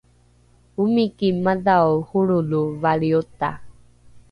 omiki madhao holrolo valriota